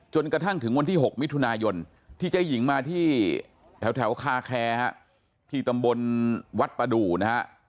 กระทั่งถึงวันที่๖มิถุนายนที่เจ๊หญิงมาที่แถวคาแคร์ที่ตำบลวัดประดูนะฮะ